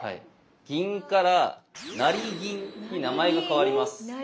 銀から成銀に名前が変わります。